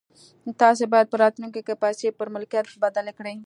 تاسې بايد په راتلونکي کې پيسې پر ملکيت بدلې کړئ.